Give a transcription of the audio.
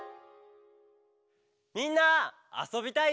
「みんなあそびたい？」